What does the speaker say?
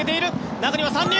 中には３人。